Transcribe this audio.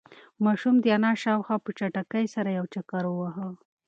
ماشوم د انا شاوخوا په چټکۍ سره یو چکر وواهه.